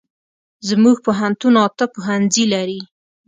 زمونږ پوهنتون اته پوهنځي لري